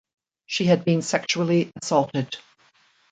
She had been sexually assaulted.